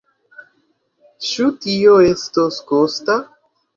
Ĉu tio estos kosta?